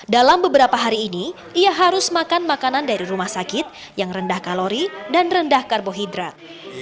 dalam beberapa hari ini ia harus makan makanan dari rumah sakit yang rendah kalori dan rendah karbohidrat